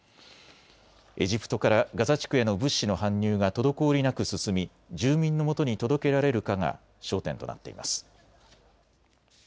エジプトからガザ地区への物資の搬入が滞りなく進み住民のもとに届けられるかが焦点となっています。